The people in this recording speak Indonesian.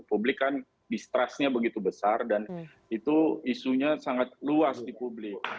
publik kan distrustnya begitu besar dan itu isunya sangat luas di publik